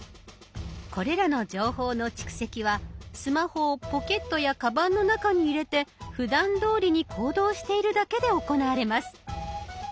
これらの情報の蓄積はスマホをポケットやカバンの中に入れてふだんどおりに行動しているだけで行われます。